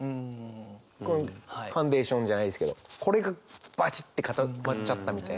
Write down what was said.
このファンデーションじゃないですけどこれがバチッて固まっちゃったみたいな。